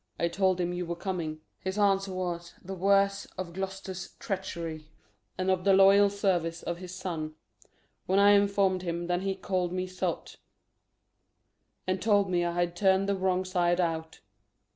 I told him you were coming: His answer was, 'The worse.' Of Gloucester's treachery And of the loyal service of his son When I inform'd him, then he call'd me sot And told me I had turn'd the wrong side out.